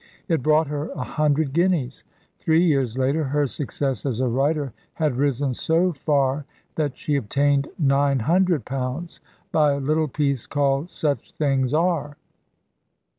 It brought her a hundred guineas. Three years later her success as a writer had risen so far that she obtained nine hundred pounds by a little piece called "Such Things Are."